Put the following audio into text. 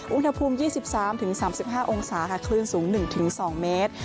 อุณหภูมิ๒๓๓๕องศาค่ะคลื่นสูง๑๒เมตร